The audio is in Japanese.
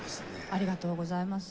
ありがとうございます。